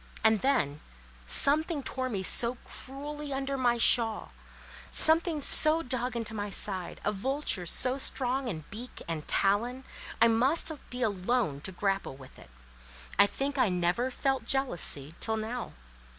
And then—something tore me so cruelly under my shawl, something so dug into my side, a vulture so strong in beak and talon, I must be alone to grapple with it. I think I never felt jealousy till now.